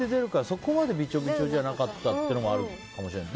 そこまでびちょびちょじゃなかったってのもあるかもしれない。